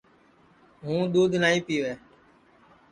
ہُوں دُؔودھ نائی پِیوے